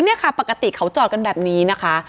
เนี่ยค่ะปกติเขาจอดกันแบบนี้นะคะ